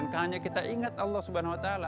bukan hanya kita ingat allah swt